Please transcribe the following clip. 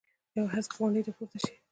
یوې هسکې غونډۍ ته پورته شي.